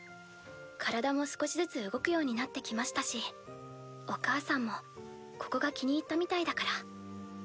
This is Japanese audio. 体も少しずつ動くようになってきましたしお母さんもここが気に入ったみたいだから。